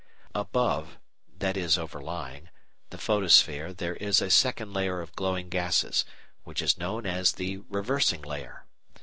Above that is, overlying the photosphere there is a second layer of glowing gases, which is known as the reversing layer.